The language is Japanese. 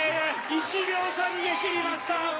１秒差逃げ切りました